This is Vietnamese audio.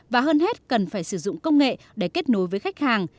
và hơn hết cần phải sử dụng công nghệ để kết nối với khách hàng